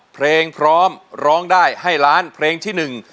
เพลงพร้อมร้องได้ให้ล้านเพลงที่หนึ่ง